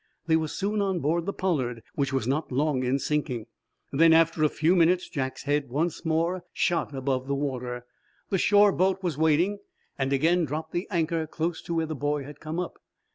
They were soon on board the "Pollard," which was not long in sinking. Then, after a few minutes, Jack's head once more shot above the water. The shore boat was waiting, and again dropped the anchor close to where the boy had come up.